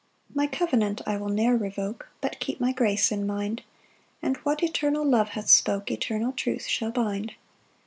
3 "My covenant I will ne'er revoke, "But keep my grace in mind; "And what eternal love hath spoke "Eternal truth shall bind.